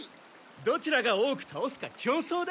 どちらが多くたおすか競争だ。